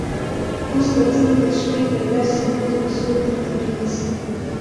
اوس به څنګه شپې ته درسم اوس به څوک درته ډېوه سي